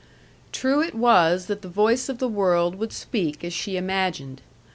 True it was that the voice of the world would speak as she imagined.